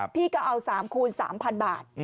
พี่ก็เอา๓คูณ๓๐๐บาท